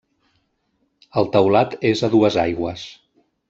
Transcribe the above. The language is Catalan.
El teulat és a dues aigües.